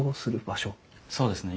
そうですね。